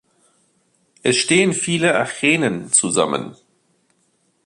Es stehen viele Achänen zusammen.